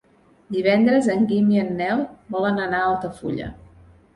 Divendres en Guim i en Nel volen anar a Altafulla.